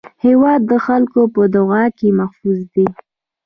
هېواد د خلکو په دعا کې محفوظ دی.